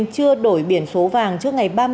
chưa đổi biển số vàng trước ngày